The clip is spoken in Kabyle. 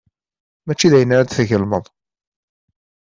Mačči dayen ara d-tgelmeḍ.